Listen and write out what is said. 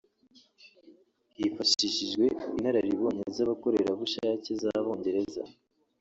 hifashishijwe inararibonye z’abakorerabushake z’Abongereza